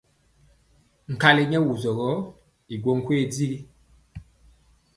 Nkali nyɛ wusɔ gɔ i go nkoye digi.